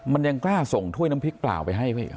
มันยังกล้าส่งถ้วยน้ำพริกเปล่าไปให้เขาอีก